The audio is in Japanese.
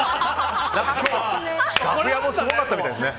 楽屋もすごかったみたいですね。